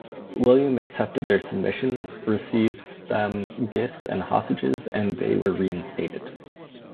William accepted their submission, received from them gifts and hostages, and they were reinstated.